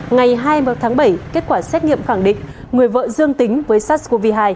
ngày hai mươi tháng bảy kết quả xét nghiệm khẳng định người vợ dương tính với sars cov hai